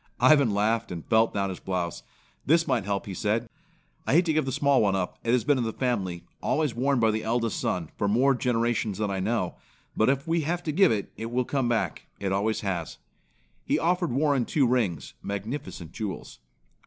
Ivan laughed, and felt down his blouse. "This might help," he said. "I hate to give the small one up. It has been in the family, always worn by the eldest son, for more generations than I know; but if we have to give it, it will come back. It always has." He offered Warren two rings, magnificent jewels.